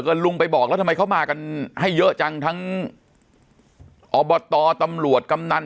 ก็ลุงไปบอกแล้วทำไมเขามากันให้เยอะจังทั้งอบตตำรวจกำนัน